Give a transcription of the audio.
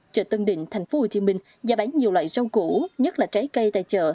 chợ tân định tp hcm giá bán nhiều loại rau cũ nhất là trái cây tại chợ